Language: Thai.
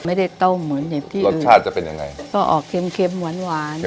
ไม่ได้ต้มเหมือนเหน็บที่อื่นรสชาติจะเป็นยังไงก็ออกเค็มหวาน